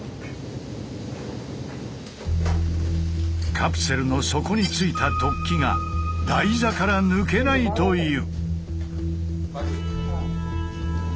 カプセルの底についた突起が台座から抜けないという。